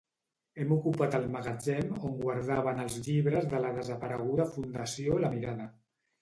Hem ocupat el magatzem on guardaven els llibres de la desapareguda Fundació La Mirada